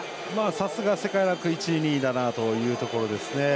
さすが世界ランク１位、２位だなという感じですね。